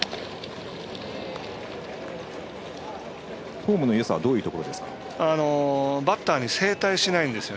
フォームのよさはどういうところですか。